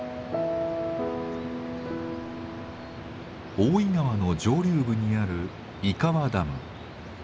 大井川の上流部にある井川ダム。